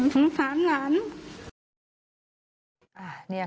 สงสารหลาน